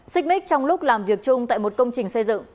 xích mít trong lúc làm việc chung tại một công trình xây dựng